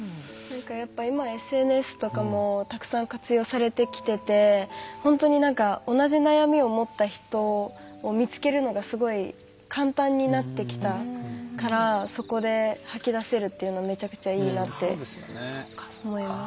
今ＳＮＳとかもたくさん活用されてきてて同じ悩みを持った人を見つけるのがすごい簡単になってきたからそこで吐き出せるっていうのめちゃくちゃいいなって思います。